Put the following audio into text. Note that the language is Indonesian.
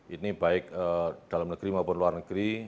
ini baik dalam negeri maupun luar negeri